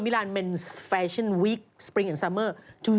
มิลานแมนแฟชั่นวีคสปริงซัมเมอร์